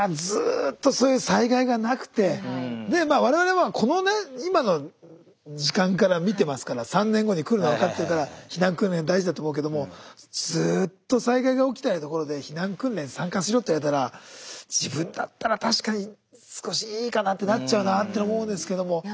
ずっとそういう災害がなくてで我々はこのね今の時間から見てますから３年後に来るの分かってるから避難訓練大事だと思うけどもずっと災害が起きてない所で避難訓練参加しろって言われたら自分だったら確かに少しいいかなってなっちゃうなって思うんですけども。